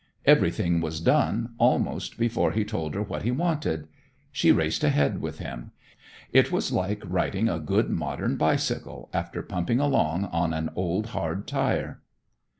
Everything was done almost before he told her what he wanted. She raced ahead with him; it was like riding a good modern bicycle after pumping along on an old hard tire.